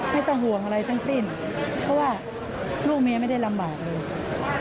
ไม่ต้องห่วงอะไรทั้งสิ้นเพราะว่าลูกเมียไม่ได้ลำบากเลย